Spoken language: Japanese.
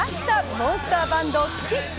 モンスターバンド、ＫＩＳＳ！